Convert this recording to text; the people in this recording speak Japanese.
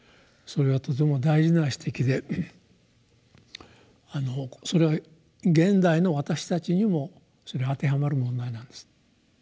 それはとても大事な指摘でそれは現代の私たちにも当てはまる問題なんです。